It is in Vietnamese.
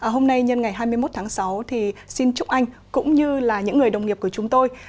hôm nay nhân ngày hai mươi một tháng sáu xin chúc anh cũng như là những người đồng nghiệp của chúng tôi